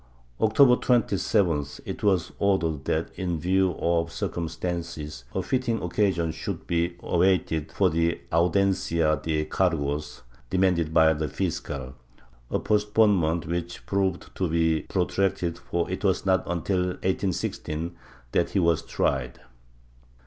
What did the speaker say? October 27th it was ordered that, in view of the circumstances, a fitting occasion should be awaited for the audiencia de cargos demanded by the fiscal — a postponement which proved to be protracted for it was not until 1816 that he was tried.